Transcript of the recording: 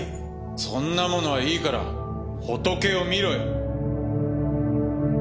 そんなものはいいからホトケをみろよ。